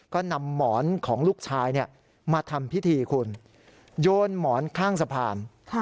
ก็นำหมอนของลูกชายมาทำพิธีคุณโยนหมอนข้างสะพาน